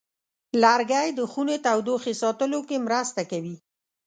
لرګی د خونې تودوخې ساتلو کې مرسته کوي.